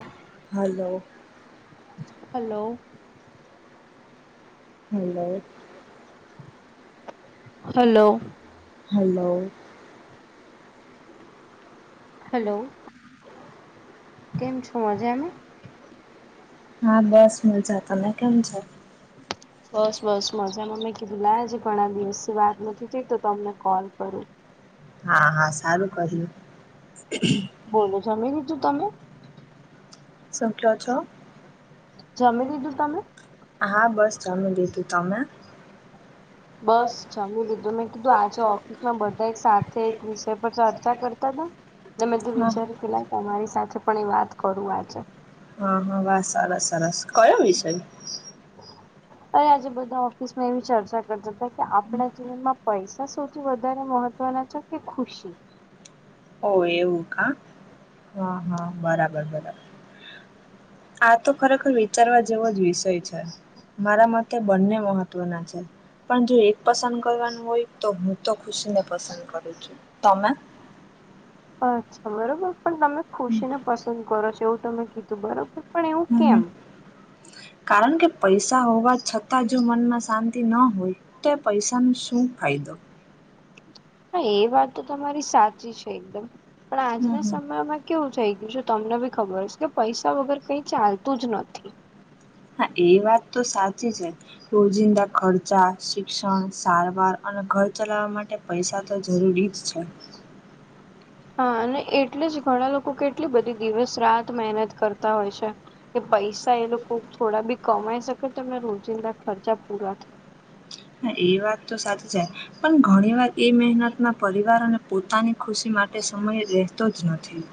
હ hello hello hello hello hello hello કેમ છો મજામાં? હા બસ મજા તમે કેમ છો? બસ બસ મજામાં મેં કીધું ઘણા દિવસથી વાત નથી થઈ તો તમને કોલ કરું હા હા સારું કર્યું બોલો જમી લીધું તમે શું કેવો છો જમી લીધું તમે હા બસ જમી લીધું તમે? બસ જમી લીધું મેં કીધું આજે ઓ બધા એક સાથે એક વિષય પર ચર્ચા કરતા હતા એટલે મેં હા વિચાર્યું પેલા તમારી સાથે પણ એ વાત કરું આજે હા હા વા સરસ સરસ કયો વિષય? [inaudible] તો આજે બધા ઓફિસ માં એવી ચર્ચા કરતા હતા કે આપણા જીવનમાં પૈસા સૌથી વધારે મહ ત્વના છે કે ખુશી ઓ એવું કા હા હા બરાબર બરાબર આ તો ખરેખર વિચારવા જેવો જ વિષય છે મારા મતે બંને મહત્વના છે પણ જો એક પસંદ કરવાનું હોય તો હું તો ખુશીને પસંદ કરું છું તમે અચ્છા બરોબર પણ તમે ખુશીને પસંદ કરો છો એવું તમે કીધું બરોબર પણ એવું કેમ હમ કારણ કે પૈસા હોવા છતાં જો મનમાં શાંતિ ન હોય તે પૈસાનો શું ફાયદો નઈ એ વાત તો તમારી સાચી છે એકદમ પણ હમ આજના હમ. સમયમાં કેવું થઈ ગયું છે તમને બી ખબર હશે કે પૈસા વગર કઈ ચાલતું જ નથી હા એ વાત તો સાચી છે રોજિંદા ખર્ચા શિક્ષણ સારવાર અને ઘર ચલાવવા માટે પૈસા તો જરૂરી જ છે હા અને એટલે જ ઘણા લોકો કેટલી બધી દિવસ રાત મહેનત કરતા હોય છે કે પૈસા એ લોકો થોડા બી કમાઈ શકે તો એમના રોજિંદા ખર્ચા પૂરા થ હા એ વાત તો સાચી છે પણ ઘણી વાર એ મહેનતમાં પરિવાર અને પોતાની ખુશી માટે સમય રહેતો જ નથી.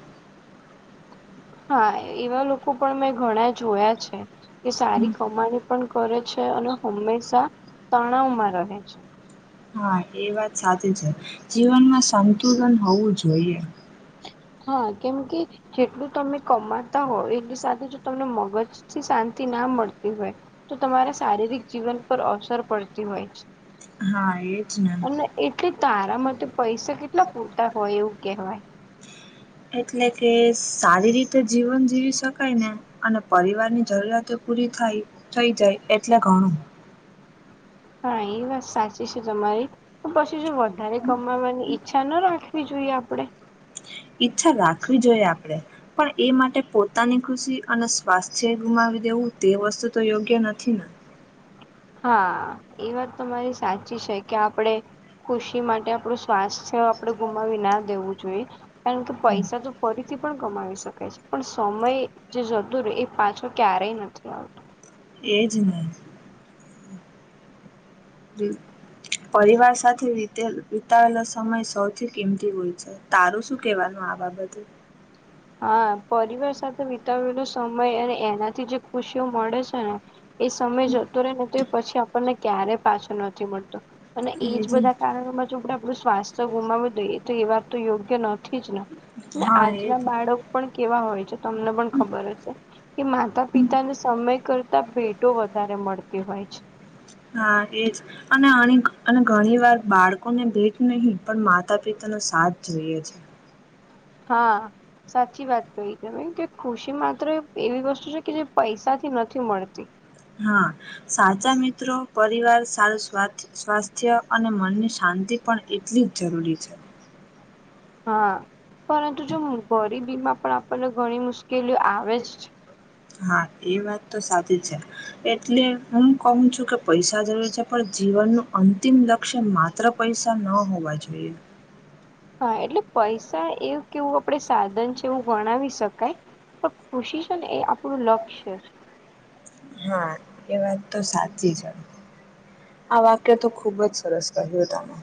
હા એવા લોકો પણ મેં ઘણા જોયા છે કે હમ. સારી કમાણી પણ કરે છે અને હંમેશા તણાવમાં રહે છે. હા એ વાત સાચી છે જીવનમાં સંતુલન હોવું જોઈએ. હા કેમ કે જેટલું તમે કમાતા હો એટની સાથે જો તમને મગજ થી શાંતિ ના મળતી હોય. તો તમારા શારીરિક જીવન પર અસર પડતી હોય છે. હા એજ ને. અને એટલે તારા માટે પૈસા કેટલા પૂરતા હોય એવું કહેવાય. એટલે કે સારી રીતે જીવન જીવી શકાય ને અને પરિવાર ની જરૂરતો પૂરી થાય થઈ જાય એટલે ઘણું. હા એ વાત સાચી છે તમારી. તો પછી જો વધારે કમાવાની ઈચ્છા ના રાખવી જોઈએ આપડે. ઈચ્છા રાખવી જોઈએ આપડે પણ એ માટે પોતાની ખુશી અને સ્વાસ્થ્ય ગુમાવી દેવું તે વસ્તુ તો યોગ્ય નથી ને. હા એ વાત તમારી સાચી છે કે આપડે ખુશી માટે આપણું સ્વાસ્થ આપણેે ગુમાવી ના દેવું જોઈએ. કારણ કે પૈસો તો ફરીથી પણ કમાવી શકાય છે પણ સમય જે જતું રહ એ પાછું ક્યારેય નથી આવતુ. એ જને. પરિવાર સાથે વીતેલ વિતાવેલો સમય સૌથી કિંમતી હોય છે. તારું શું કેવાનું આ બાબતે. હા પરિવાર સાથે વિતાવેલો સમય અને એનાથી જે ખુશીઓ મળે છે ને એ સમય જતો રહેે ને તો એ પછી આપણને ક્યારેય પાછો નથી મળતો. અને એજ બધા કારણોમાં જો આપડે આપણું સ્વાસ્થ્ય ગુમાવી દઈએ એ તો એ વાર તો યોગ્ય નથી જ ને. ને હા આજના એજને. બાળક પણ કેવા હોય છે તમને પણ ખબર હશે કે માતા પિતાને સમય કરતા ભેટો વધારે મળતી હોય છે. હા એજ. અને અનેક ઘણી વાર બાળકોને ભેટ નહી પણ માતા પિતાનોો સાથ જોઈએ છે. હા. સાચી વાત કહી તમે કે ખુશી માત્ર એવી વસ્તુ છે કે જે પૈસાથી નથી મળતી. હા સાચા મિત્રો પરિવાર સાર સ્વા સ્વાસ્થ્ય અને મનની શાંતિ પણ એટલી જ જરૂરી છે. હા પરંતુ જો ગરીબીમાં પણ આપણને ઘણી મુશ્કેલીઓ આવે જ છે. હા એ વાત તો સાચી છે. એટલે હું કહું છું કે પૈસા જરૂર છે પણ જીવનનું અંતિમ લક્ષ્ય માત્ર માત્ર પૈસા ન હોવા જોઈએ. હા એટલે પૈસા એવું કેવું આપડ સાધન છે એવું ગણાવી શકાય. પર ખુશી છે ને એ આપણું લક્ષ્ય છે. હા એ વાત તો સાચી છે. આ વાક્ય તો ખુબ જ સરસ કહ્યું તમે.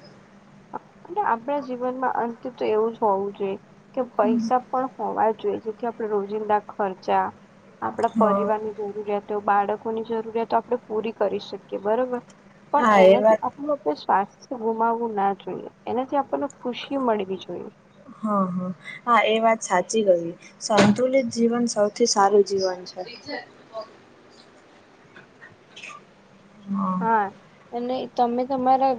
અને આપણા જીવનમાં અંતે તો એવું જ હોવું જોઈએ કે પૈસા પણ હોવા જોઈએ જેથી આપણેે રોજિંદા ખર્ચા આપણા હા પરિવારની જરૂરિયાતો, બાળકોની જરૂરિયાતો આપણે પૂરી કરી શકીએ બરોબર. પણ હા એ એનાથી વાત આપણું આપણે સ્વાસ્થ્ય ગુમાવવું ના જોઈએ. એનાથી આપણને ખુશી મળવી જોઈએ. હા હા હા એ વાત સાચી કઈ સંતુલિત જીવન સૌ થી સારું જીવન છે. હા. હા અને તમે તમારા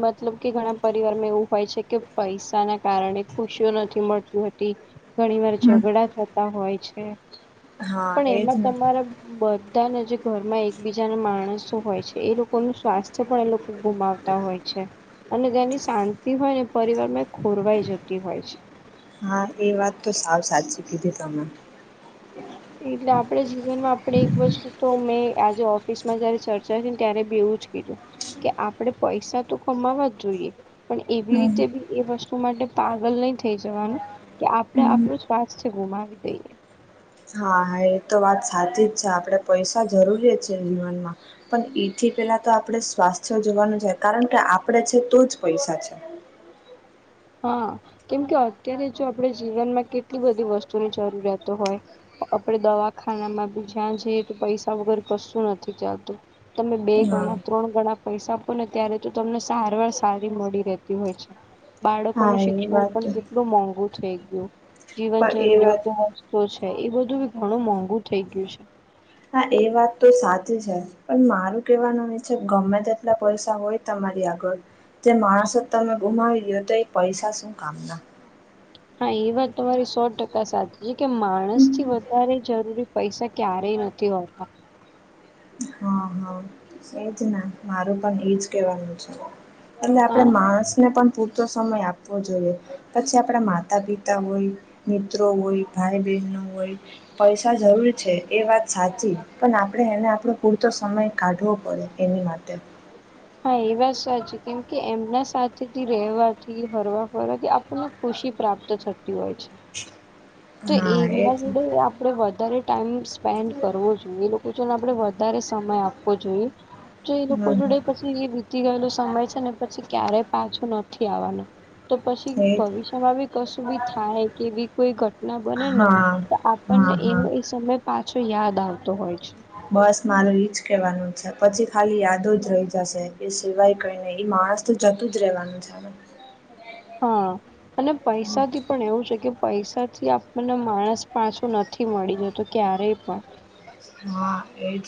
મતલબ કે ઘણા પરિવારમાં એવું હોય છે કે પૈસા ના કારણે ખુશીઓ નથી મળતી હો ઘણી વાર હમ ઝઘડા થતા હોય છે હા પણ એજ એમાં ને તમારા બધાને જે ઘરમાં એકબીજા ના માણસો હોય છે એ લોકોનું સ્વાસ્થ્ય પણ એ લોકો ગુમાવતા હોય છે અને તેની શાંતિ હોય ને પરિવાર માં ખોરવાઈ જતી હોય છે હા એ વાત તો સાવ સાચી કીધી તમે એટલે આપણે જીવનમાં આપણે એક વસ્તુ તો મેં આજે ઓફિસમાં જયારે ચર્ચા થ ને ત્યારે બ એવું જ કીધું કે આપણેે પૈસા તો કમાવા જ જોઈએ પણ એવી હમ રીતે બી એ વસ્તુ માટે પાગલ નહી થઈ જવાનું કે આપડે હમ. આપણો શ્વાસ છે ગુમાવી દઈએ હા હા એ તો વાત સાચી જ છે આપણેે પૈસા જરૂરીય છેએ જીવનમાં પણ એથી પેલા તો આપણેે સ્વાસ્થ્ય જોવાનું છે કારણ કે આપડે છે તો જ પૈસા છે હા કેમ કે અત્યારે જો આપણે જીવનમાં કેટલી બધી વસ્તુની જરૂરિયાતો હોય આપડે દવાખાનામાં બી જ્યાં જઈએ તો પૈસા વગર કશું નથી ચાલતું તમે બે ગણા હા ત્રણ ગણા પૈસા આપો ને ત્યારે તો તમને સારવાર સારી મળી રહેતી હોય છે બાળકો હા ન એ શિક્ષણ વાત પણ કેટલું મોંઘું થઈ ગયું જીવન પણ એ વાત જરૂરિયાતો છે એ બધું બી ઘણું મોંઘું થઈ ગયું છે હા એ વાત તો સાચી છે પણ મારું કેવાનું છે ગમે તેટલા પૈસા હોય તમારી આગળ જે માણસો જ તમે ગુમાવી દો તો એ પૈસા શું કામ ના હા એ વાત તમારી સો ટકા સાચી છે કે માણસ થી વધારે જરૂરી પૈસા ક્યારેય નથી હોતા હા હા એજ ને મારું પણ એજ કેવાનું છે એટલે આપણે હા માણસને પણ પૂરતો સમય આપવો જોઈએ પછી આપણા માતા પિતા હોય મિત્રો હોય ભાઈ બહેનો હોય પૈસા જરૂર છે એ વાત સાચી પણ આપણે એને આપણું પૂરતો સમય કાઢવો પડે એની માટે હા એ વાત સાચી કેમ કે એમના સાથેથી રહેવાથી ફરવા ફરવાથી આપણા ખુશી પ્રાપ્ત થતી હોય છે તો હા એમના એજ જોડે આપડે વધારે ટાઈમ સ્પેન્ડ કરવો જોએ એ લોકો જો ને આપડે વધારે સમય આપવો જોઈએ તો એ હમ લોકો જોડે હમ પછી એ તી ગયેલો સમય છે ને પછી ક્યારેય પાછું નથી આવવાનું તો પછી એજ ભવિષ્યમાં બી કશું બી થાય કે બી કોઈ ઘટ બનેને હા તો હા આપણને હા એનો એ સમય પાછો યાદ આવતો હોય છે બસ મારું ઈજ કેવાનું છે પછી ખાલી યાદો જ રહી જશે એ સિવાય કઈ નને માણસ તો જતું જ રહેવાનું છે આપ હા અને પૈસાથી પણ એવું છે કે પૈસા થી આપણને માણસ પાછો નથી મળી જતો ક્યારેય પણ હા એજ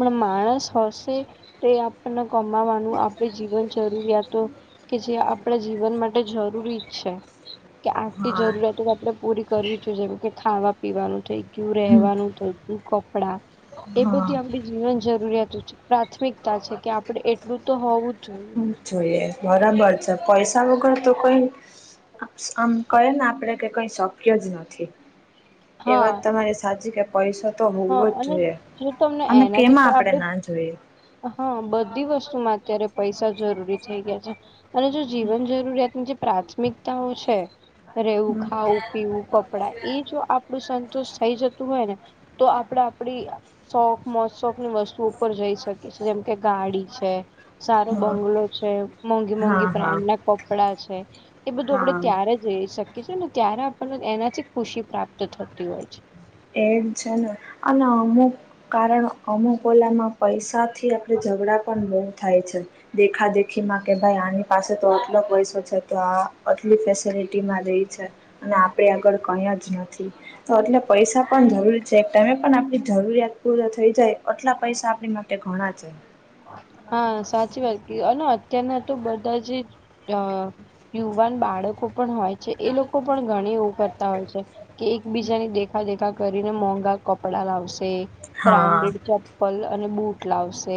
પણ માણસ હશે તો આપણને કમાવાનું આપણે જીવન જરૂરિયાતો કે જે આપણા જીવન માટે જરૂરી છે કે આખલી હા જરૂરિયાતો તો આપડણે પૂરી કરવી છેઈએ જેમ કે ખાવા પીવાનું થઈ કયું હમ. રવાનું થય કયુ કપડા એ બધું હા આપ જીવન જરૂરિયાત છે પ્રાથમિકતા છે કે આપડે એટલું તો હોવું જ જોઈએ જોઈએ બરાબર છે પૈસા વગર તો કઈ આમ કહે ને આપડે કે કઈ શક્ય જ નથી એ હા વાત તમારે સાચી કે પૈસા તો હોવો હા જ અને જોઈએ જો તમને અને એનાથી કેમાં પણ આપણેે આપણે ના જોઈએ હા બધી વસ્તુમાં અત્યારે પૈસા જરૂરી થઈ ગયા છે અને જો જીવન જરૂરિયાતની જે પ્રાથમિકતાઓ છે રેવું હમ. ખાવું પીવું કપડાં એ જો આપડું સંતોષ થઈ જતું હોય ને તો આપણે આપડી શોખ મોજ શોખની વસ્તુ ઉપર જઈ શકીી જેમ કે ગાડી છે. સારો હા બંગલો છે મોંઘી હા મોંઘી હા બ્રાન્ડ ના કપડા છે એ બધું આપડે હા ત્યારે જ જઈ શકી છી ને ત્યારે આપણને એનાથી ખુશી પ્રાપ્ત થતી હોય છે. એડ છે ને અને અમુક કારણ અમુક ઓલામાં પૈસા થી આપણે ઝઘડા પણ બહુ થાય છે. દેખા દેખીમાં કે ભાઈ આની પાસે તો આટલો પૈસો છે તો આ આટલી ફેસિલિટીમાં રે છે. અને આપડે આગળ કઈ જ નથી તો એટલે પૈસા પણ જરૂરી છે એક ટાઈમે પણ આપણી જરૂરિયાત પૂરા થઈ જાય આટલા પૈસા આપણી માટે ઘણા છે. હા સાચી વાત ક અને અત્યારના તો બધા જ અ યુવાન બાળકો પણ હોય છે એ લોકો પણ ઘણી કરતા હોય છે કે એકબીજાની દેખા દેખા કરીને મોંઘા કપડા લાવશે હા બ્રાન્ડેડ ચપ્પલ અને બુટ લાવશે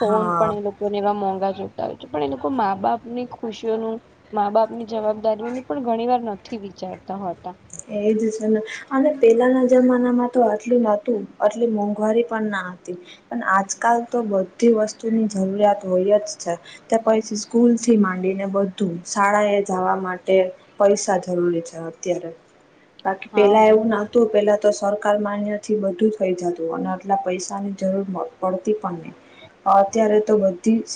ફોન પણ હા એ લોકો લોકોને એવા મોંઘા જોતા હોય છે પણ એ લોકો મા બાપ ની ખુશીઓનુ મા બાપની જવાબદારીઓું પણ ઘણી વાર નથી વિચારતા હોતા. એજ છે. અને પેલાના જમાનામાં તો આટલી નતું આટલી મોંઘવારી પણ ના હતી. પણ આજકાલ તો બધી વસ્તુની જરૂરિયાત હોય જ છે. ત પછ સ્કૂલ થી માંડીને બ તું શાળાએ જવા માટે પૈસા જરૂરી છે, અત્યારે બાકી પેલા હા એવું ના તો પહેલાં તો સરકાર માન્યથી બધું થઈ જતું અને એટલા પૈસાની જરૂર પડતી પણ નહી. અત્યારે તો બધી જ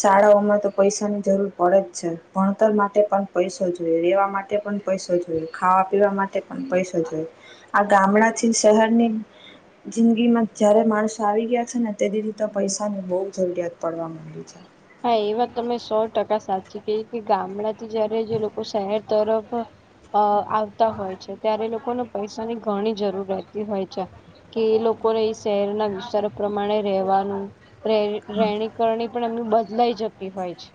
શાળાઓમાં તો પૈસા ની જરૂર પડે જ છે, ભણતર માટે પણ પૈસો જોઈએ રેવા માટે પણ પૈસો જોય ખાવા પીવા માટે પણ પૈસો જોય આ ગામડા થી શહેરની જિંદગી માં જયારે માણસો આવી ગયા છેને, તે દથી તો પૈસાની બહુ જરૂરિયાત પડવાવામાં એ છે. હા એ વાત તમે સો ટકા સાચી કે કે ગામડાથી જયારે જે લોકો શહેર તરફ અ આવતા હોય છે ત્યારે લોકોને પૈસાની ઘણી જરૂર રહેતી હોય છે. કે એ લોકોને એ શહેરના વિસ્તારો પ્રમાણે રહેવાનુ હા રેણી કરણી પણ એમની બદલાઈ જતી હોય છે.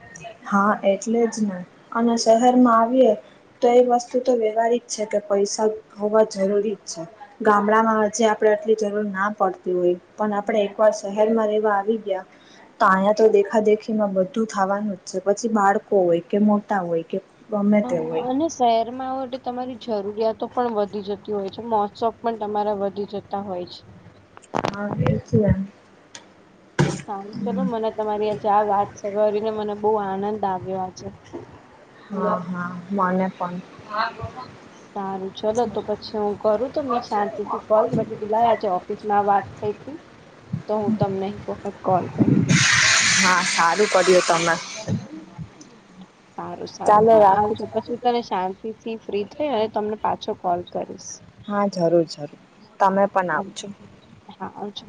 હા એટલે જ નહી અને શહેરમાં આવીએ તો એ વસ્તુ તો વ્યવહારિક છે, કે પૈસા હોવા જરૂરી જ છે ગામડામાં આજ આપ આટલી જરૂર ના પડતી હોય પણ આપે એક વાર શહેરમાં રહેવા આવી ગયા. તો અહીંયા તો દેખા દેખીમાં બધું થવાનું જ છે પછી બાળકો હોય કે મોટા હોય, કે ગમે તે હા હોય અને શહેરમાં આવો એટલે તમારી જરૂરિયાતો પણ વધી જતી હોય છે મહોત્સવ પણ તમારા વધી જતા હોય છે. હા હચવા સારું ચલો મને તમારી આજે આ વાત સરળવા કરીને મને બહુ આનંદ આવ્યો આ છે. હા હા મને પણ સારું ચલો તો પછી હુ કરુ, તમને શાંતિ થી કોલ મે ક તું લાવ્યાજે ઓફિસ વાત થઈ હતી, તો હું તમને એક વખત કોલ કરી દઉં હા સારું પડ્યું તમે હ સારું સારું હા આવજો પછી તને શાંતિ થી ફ્રી થઈ અને તમને પાછો કોલ કરીશ હા જરૂર જરૂર તમે પણ આવજો હા આવછુ.